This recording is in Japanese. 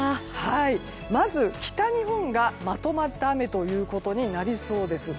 まず、北日本がまとまった雨となりそうです。